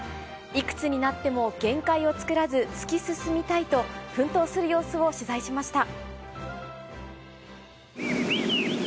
いくつになっても限界を作らず、突き進みたいと、奮闘する様子を取材しました。